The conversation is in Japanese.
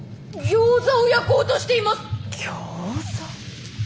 ギョーザ？